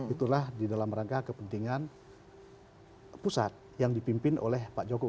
itulah di dalam rangka kepentingan pusat yang dipimpin oleh pak jokowi